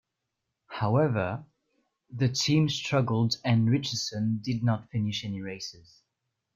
However, the team struggled, and Richeson did not finish any races.